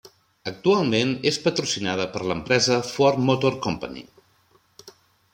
Actualment és patrocinada per l'empresa Ford Motor Company.